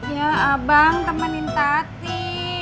ya abang temenin tati